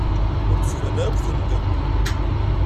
Ur d-tban ara akk tendem.